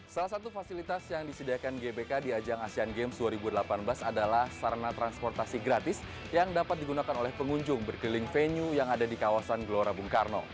salah satu fasilitas yang disediakan gbk di ajang asean games dua ribu delapan belas adalah sarana transportasi gratis yang dapat digunakan oleh pengunjung berkeliling venue yang ada di kawasan gelora bung karno